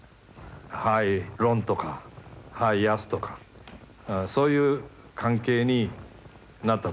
「ハイロン」とか「ハイヤス」とかそういう関係になったと思います。